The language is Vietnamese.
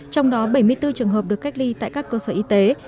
trong đó bảy mươi bốn trường hợp được cách ly tại các cơ sở y tế